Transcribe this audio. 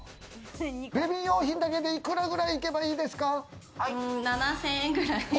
ベビー用品だけで幾らくらい行けばいいですか？